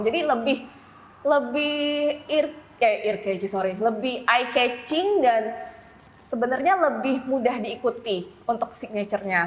jadi lebih eye catching dan sebenarnya lebih mudah diikuti untuk signature nya